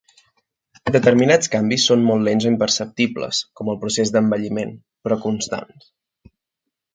Determinats canvis són molt lents o imperceptibles, com el procés d'envelliment, però constants.